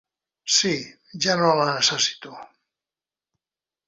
Sí, ja no la necessito.